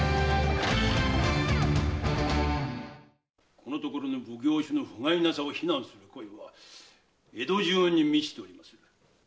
このところの奉行所の不甲斐なさを非難する声が江戸中に満ちておりまする。